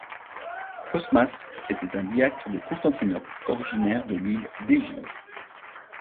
Cosmas était un diacre de Constantinople originaire de l'île d'Égine.